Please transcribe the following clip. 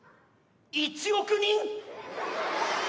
１億人！？